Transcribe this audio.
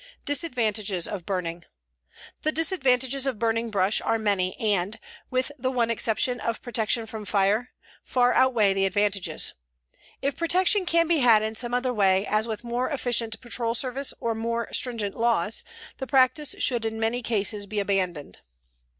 "Disadvantages of Burning "The disadvantages of burning brush are many and, with the one exception of protection from fire, far outweigh the advantages. If protection can be had in some other way, as with more efficient patrol service or more stringent laws, the practice should in many cases be abandoned.